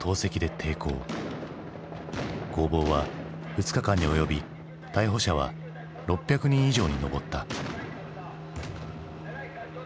攻防は２日間に及び逮捕者は６００人以上に上った。